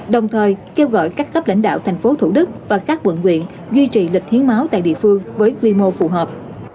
đồng thời kêu gọi các cấp lãnh đạo thành phố thủ đức và các quận quyện duy trì lịch hiến máu tại địa phương với quy mô phù hợp